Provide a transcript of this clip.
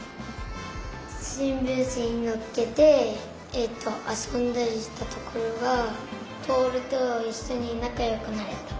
しんぶんしにのっけてえっとあそんだりしたところがぼおるといっしょになかよくなれた。